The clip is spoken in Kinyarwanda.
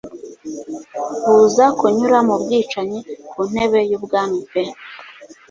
Buza kunyura mu bwicanyi ku ntebe y'ubwami pe